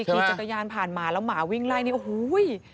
ขี่จักรยานผ่านหมาแล้วหมาวิ่งไล่นี่โอ้โห